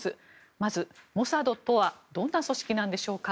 まず、モサドとはどんな組織なんでしょうか。